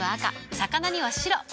魚には白。